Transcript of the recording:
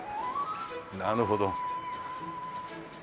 なるほど。